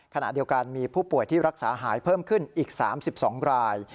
ขณะเดียวกันมีผู้ป่วยที่รักษาหายเพิ่มขึ้นอีก๓๒ราย